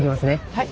はい。